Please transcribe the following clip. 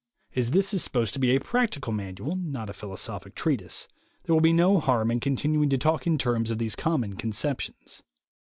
As this is supposed to be a practical manual, not a philosophic treatise, there will be no harm in continuing to talk in terms of these common conceptions.